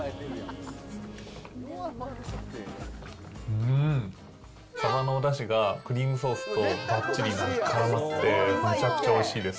うん、さばのおだしがクリームソースとばっちりからまって、めちゃくちゃおいしいです。